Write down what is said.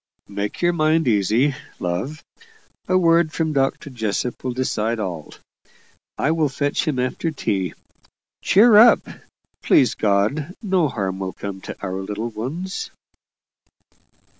"Make your mind easy, love; a word from Dr. Jessop will decide all. I will fetch him after tea. Cheer up! Please God, no harm will come to our little ones!"